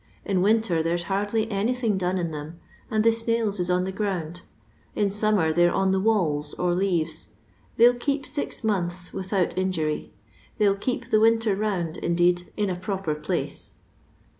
In winter there's hardly anything done in them, and the snails is on the ground ; in summer they 're on the walls or leaves. They'll keep six months without injury; they'll keep the winter round indeed in a proper place."